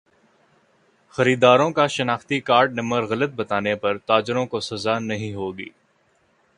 خریداروں کا شناختی کارڈ نمبر غلط بتانے پر تاجر کو سزا نہیں ہوگی